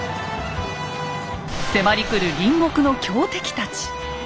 迫り来る隣国の強敵たち。